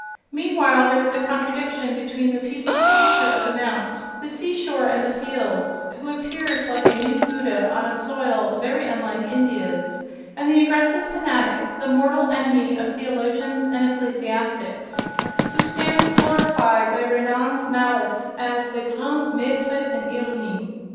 Meanwhile, there is a contradiction between the peaceful preacher of the mount, the sea shore and the fields, who appears like a new Buddha on a soil very unlike India's, and the aggressive fanatic, the mortal enemy of theologians and ecclesiastics, who stands glorified by Renan's malice as "le grand maître en ironie."